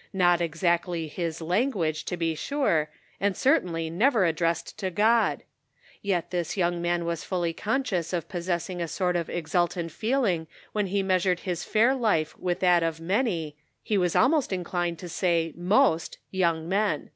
" Not exactly his language, to be sure, and certainly never addressed to God ! Yet this young man was fully conscious of possessing a sort of exultant feeling when he measured his fair life with that of many — he was almost in clined to say most young men.